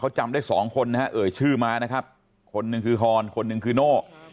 เขาจำได้สองคนนะฮะเอ่ยชื่อมานะครับคนหนึ่งคือฮอนคนหนึ่งคือโน่